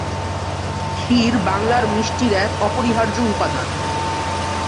ক্ষীর বাংলার মিষ্টির এক অপরিহার্য উপাদান।